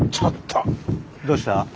どうした？